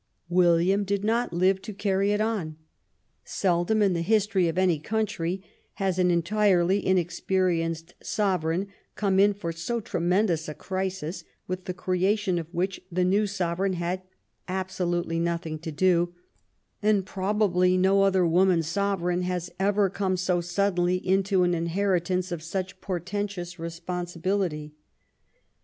William did not live to carry it on. Seldom in the history of any country has an entirely inexperienced sovereign come in for so tremendous a crisis with the creation of which the new sovereign had absolutely nothing to do, and probably no other woman sovereign has ever come so suddenly into an inheritance of such portentous responsibility.